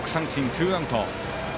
ツーアウト。